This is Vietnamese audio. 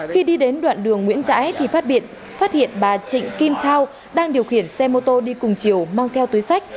khi đi đến đoạn đường nguyễn dãi thì phát hiện bà trịnh kim thao đang điều khiển xe mô tô đi cùng chiều mang theo túi sách